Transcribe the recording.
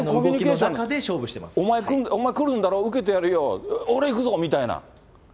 お前、来るんだろ、受けてやるよ、俺いくぞ、みたいな。